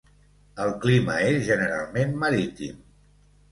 El clima és generalment marítim.